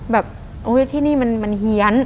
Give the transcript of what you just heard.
แบบที่นี่มันเหี้ยน